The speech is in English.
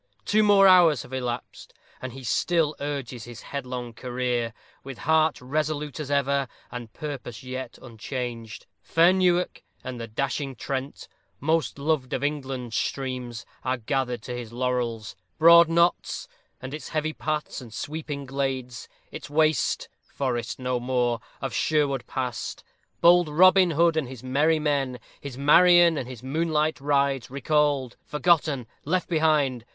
Two more hours have elapsed, and he still urges his headlong career, with heart resolute as ever, and purpose yet unchanged. Fair Newark, and the dashing Trent, "most loved of England's streams," are gathered to his laurels. Broad Notts, and its heavy paths and sweeping glades; its waste forest no more of Sherwood past; bold Robin Hood and his merry men, his Marian and his moonlight rides, recalled, forgotten, left behind.